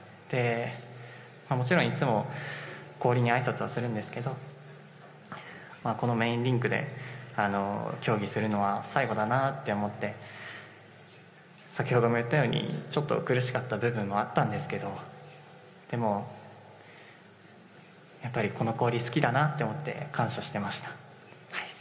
で、もちろん、いつも氷にあいさつはするんですけど、このメインリンクで競技するのは最後だなぁって思って、先ほども言ったように、ちょっと苦しかった部分もあったんですけど、でも、やっぱりこの氷好きだなって思って、感謝してました。